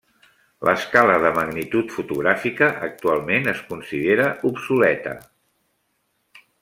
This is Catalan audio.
L'escala de magnitud fotogràfica actualment es considera obsoleta.